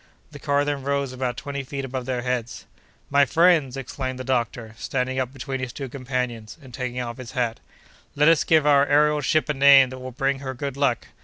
The car then rose about twenty feet above their heads. "My friends!" exclaimed the doctor, standing up between his two companions, and taking off his hat, "let us give our aërial ship a name that will bring her good luck!